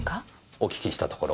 お聞きしたところ